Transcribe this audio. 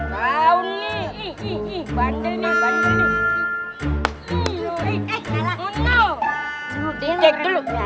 kalian kira dia apa tali awan dudung hal ini